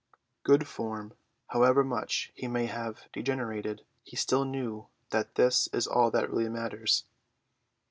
Good form! However much he may have degenerated, he still knew that this is all that really matters.